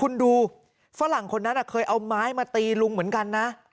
คุณดูฝรั่งคนนั้นเคยเอาไม้มาตีลุงเหมือนกันนะ